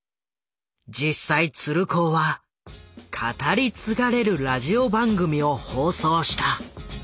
実際鶴光は語り継がれるラジオ番組を放送した。